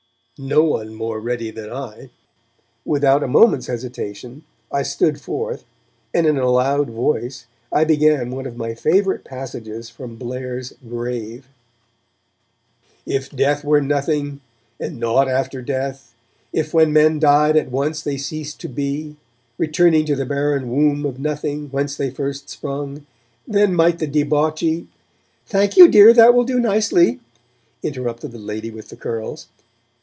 No one more ready than I. Without a moment's hesitation, I stood forth, and in a loud voice I began one of my favourite passages from Blair's 'Grave': If death were nothing, and nought after death If when men died at once they ceased to be, Returning to the barren Womb of Nothing Whence first they sprung, then might the debauchee... 'Thank you, dear, that will do nicely!' interrupted the lady with the curls.